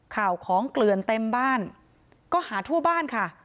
ข่าวของเกลือนเต็มบ้านก็หาทั่วบ้านค่ะ